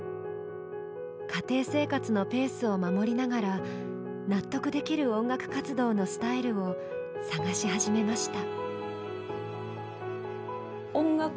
家庭生活のペースを守りながら納得できる音楽活動のスタイルを探し始めました。